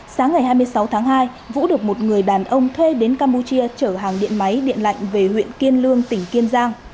sáng ngày hai mươi sáu tháng hai vũ được một người đàn ông thuê đến campuchia chở hàng điện máy điện lạnh về huyện kiên lương tỉnh kiên giang